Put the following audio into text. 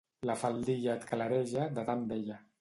La faldilla et clareja, de tan vella.